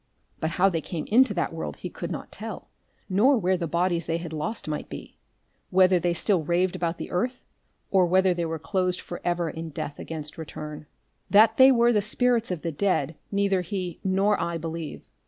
But how they had come into that world he could not tell, nor where the bodies they had lost might be, whether they still raved about the earth, or whether they were closed forever in death against return. That they were the spirits of the dead neither he nor I believe.